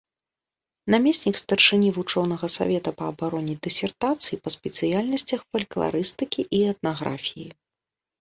Намеснік старшыні вучонага савета па абароне дысертацый па спецыяльнасцях фалькларыстыкі і этнаграфіі.